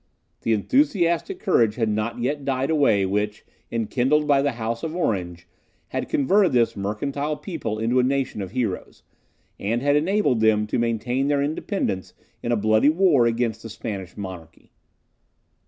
The enthusiastic courage had not yet died away which, enkindled by the House of Orange, had converted this mercantile people into a nation of heroes, and had enabled them to maintain their independence in a bloody war against the Spanish monarchy.